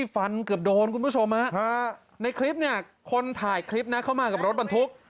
ฟันเกือบโดนคุณผู้ชมฮะในคลิปเนี่ยคนถ่ายคลิปนะเข้ามากับรถบรรทุก